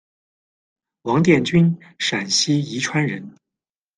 王殿军，陕西宜川人。